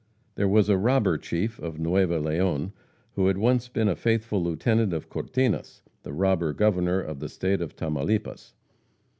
There was a robber chief of Nueva Leon, who had once been a faithful lieutenant of Cortinas, "the Robber Governor" of the State of Tamaulipas.